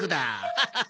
ハハハハ！